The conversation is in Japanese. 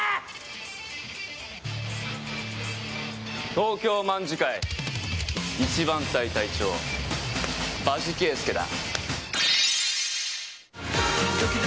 東京卍會１番隊隊長場地圭介だ。